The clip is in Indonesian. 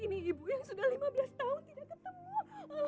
ini ibu yang sudah lima belas tahun tidak ketemu